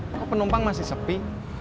kok penumpang masih sepi